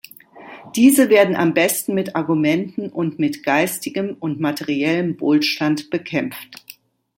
Diese werden am besten mit Argumenten und mit geistigem und materiellem Wohlstand bekämpft.